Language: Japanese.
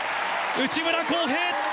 内村航平